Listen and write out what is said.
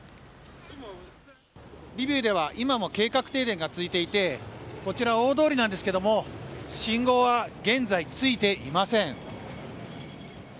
リビウでは今も計画停電が続いていてこちら大通りなんですけれども信号は現在、ついていません。